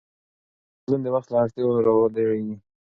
ټولنیز بدلون د وخت له اړتیاوو راولاړېږي.